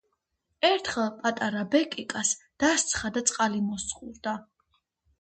ერთხელ პატარა ბეკეკას , დასცხა და წყალი მოსწყურდა